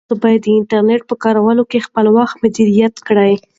تاسو باید د انټرنیټ په کارولو کې خپل وخت مدیریت کړئ.